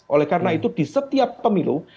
oleh karena itu di setiap pemilu